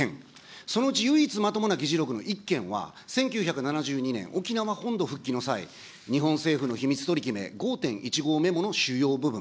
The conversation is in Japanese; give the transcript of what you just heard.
このうち唯一まともな議事録の１件は、１９７２年、沖縄本土復帰の際、日本政府の秘密取り決め、５・１５メモの主要部分。